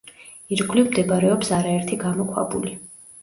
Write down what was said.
ირგვლივ მდებარეობს არაერთი გამოქვაბული.